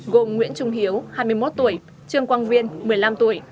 gồm nguyễn trung hiếu hai mươi một tuổi trương quang viên một mươi năm tuổi